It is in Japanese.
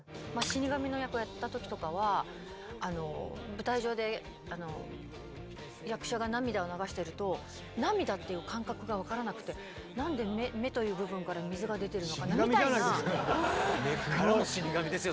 死神の役やった時とかは舞台上で役者が涙を流してると涙っていう感覚が分からなくてなんで目という部分から水が出てるのかなみたいな。